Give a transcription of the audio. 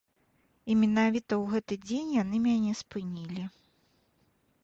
І менавіта ў гэты дзень яны мяне спынілі.